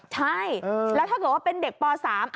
ใช่แล้วถ้าเกิดว่าเป็นเด็กป๓